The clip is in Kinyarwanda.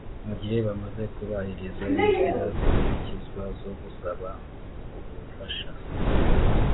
mu gihe banze kubahiriza inzira zikurikizwa zo gusaba ubufasha